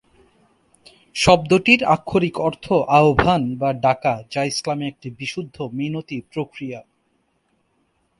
শব্দটির আক্ষরিক অর্থ 'আহবান' বা 'ডাকা', যা ইসলামে একটি বিশুদ্ধ মিনতি প্রক্রিয়া।